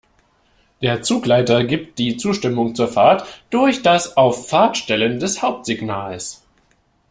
Der Zugleiter gibt die Zustimmung zur Fahrt durch das auf Fahrt stellen des Hauptsignals.